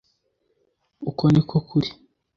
uku niko kuri